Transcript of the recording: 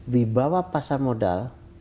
di bawah pasar modal